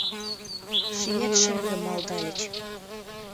Шиет шерге, малдальыч.